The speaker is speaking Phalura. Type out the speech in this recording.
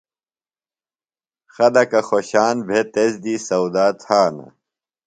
خلکہ خوۡشان بھےۡ تس دی سودا تھانہ۔